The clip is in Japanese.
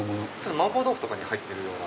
麻婆豆腐とかに入ってるような。